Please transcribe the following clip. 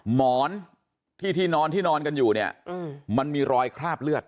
หมอนที่ที่นอนที่นอนกันอยู่เนี่ยมันมีรอยคราบเลือด